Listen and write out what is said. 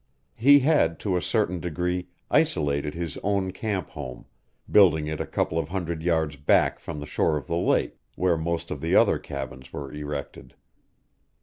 He had, to a certain degree, isolated his own camp home, building it a couple of hundred yards back from the shore of the lake, where most of the other cabins were erected.